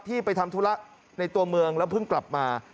ไปทำธุระในตัวเมืองแล้วเพิ่งกลับมา